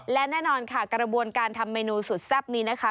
และแน่นอนค่ะกระบวนการทำเมนูสุดแซ่บนี้นะคะ